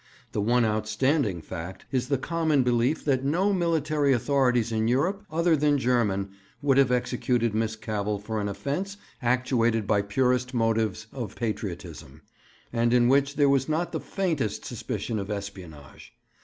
The one outstanding fact is the common belief that no military authorities in Europe, other than German, would have executed Miss Cavell for an offence actuated by purest motives of patriotism, and in which there was not the faintest suspicion of espionage.